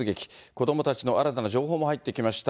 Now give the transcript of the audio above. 子どもたちの新たな情報も入ってきました。